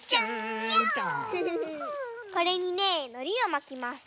これにねのりをまきます。